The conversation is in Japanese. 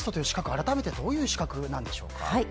改めてどういう資格でしょうか。